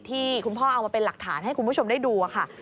ที่คุณพ่อเอามาเป็นหลักฐานให้คุณผู้ชมได้ดูค่ะ